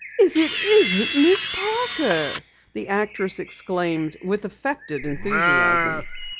"If it isn't Miss Parker!" the actress exclaimed with affected enthusiasm.